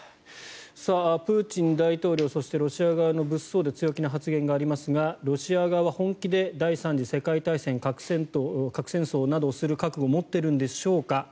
プーチン大統領そしてロシア側の、物騒で強気な発言がありますがロシア側は本気で第３次世界大戦核戦争等をする覚悟は持っているんでしょうか。